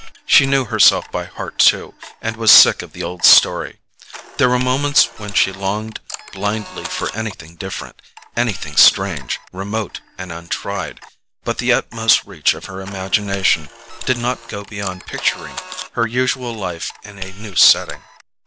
She knew herself by heart too, and was sick of the old story. There were moments when she longed blindly for anything different, anything strange, remote and untried; but the utmost reach of her imagination did not go beyond picturing her usual life in a new setting.